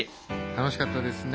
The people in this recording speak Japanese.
楽しかったですね。